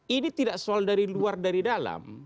ini tidak soal dari luar dari dalam